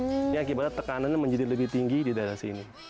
ini akibatnya tekanannya menjadi lebih tinggi di daerah sini